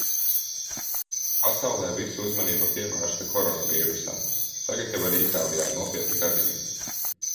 Pasaulē visa uzmanība pievērsta Korona vīrusam. Tagad jau arī Itālijā ir nopietni gadījumi.